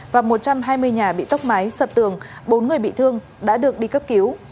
và một trăm hai mươi nhà bị tốc máy sập tường bốn người bị thương đã được đi cấp cứu